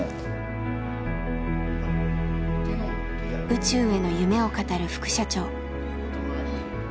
宇宙への夢を語る副社長。